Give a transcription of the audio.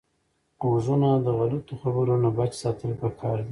غوږونه د غلطو خبرو نه بچ ساتل پکار دي